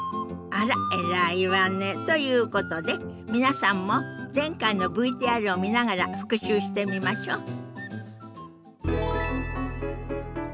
あら偉いわね。ということで皆さんも前回のＶＴＲを見ながら復習してみましょ。